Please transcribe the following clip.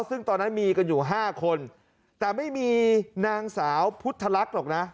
ซึ่งตอนนั้นมีกันอยู่๕คนแต่ไม่มีนางสาวพุทธลักษณ์หรอกนะ